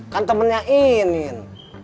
kan temennya inin